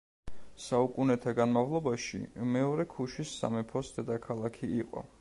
საუკუნეთა განმავლობაში, მეროე ქუშის სამეფოს დედაქალაქი იყო.